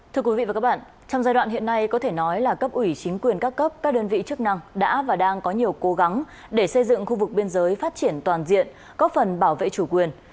thưa quý vị và các bạn trong giai đoạn hiện nay có thể nói là cấp ủy chính quyền các cấp các đơn vị chức năng đã và đang có nhiều cố gắng để xây dựng khu vực biên giới phát triển toàn diện góp phần bảo vệ chủ quyền